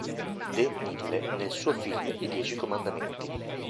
De Mille nel suo film I dieci comandamenti.